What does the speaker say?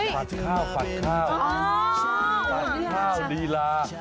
ผัดข้าวผัดข้าวดีลา